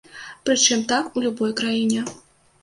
Прычым, так у любой краіне.